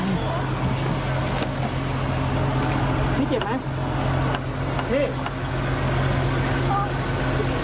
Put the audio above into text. นี่เจ็บไหมนี่